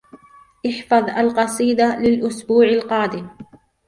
احفظ القصيدة للأسبوع القادم.